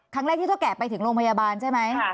ครั้งแรกที่เท่าแก่ไปถึงโรงพยาบาลใช่ไหม